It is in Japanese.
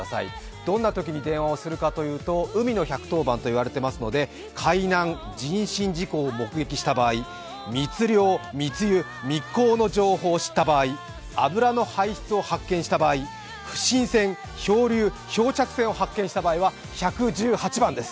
どんなときに電話をするかというと海の１１０番と呼ばれていますので海難、人身事故を目撃した場合密航、密輸を発見した場合、油の排出を発見した場合、不審船、漂流、漂着船を発見した場合は、１１８番です！